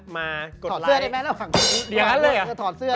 ไปตรงนั้นได้เหรอ